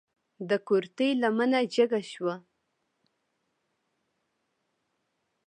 د کورتۍ لمنه جګه شوه.